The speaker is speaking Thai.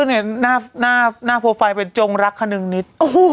หน้าโปรไฟล์เป็นจงรักคนนิด